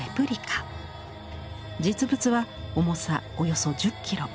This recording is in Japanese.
実物は重さおよそ１０キロ。